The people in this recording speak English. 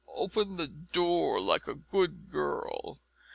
Open the door like a good girl."